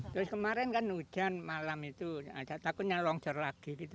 terus kemarin kan hujan malam itu ada takutnya longsor lagi gitu